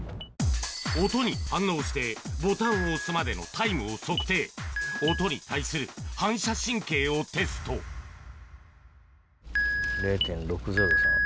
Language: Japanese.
音に反応してボタンを押すまでのタイムを測定音に対する反射神経をテスト０．６０３。